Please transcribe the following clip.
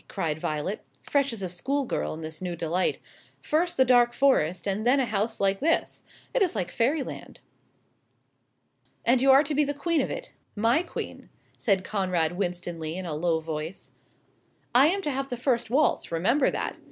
cried Violet, fresh as a schoolgirl in this new delight; "first the dark forest and then a house like this it is like Fairyland." "And you are to be the queen of it my queen," said Conrad Winstanley in a low voice. "I am to have the first waltz, remember that.